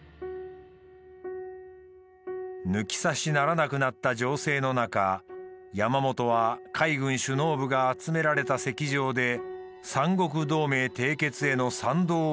抜き差しならなくなった情勢の中山本は海軍首脳部が集められた席上で三国同盟締結への賛同を求められた。